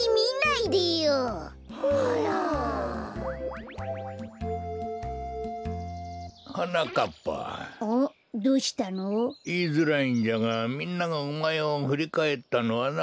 いいづらいんじゃがみんながおまえをふりかえったのはな。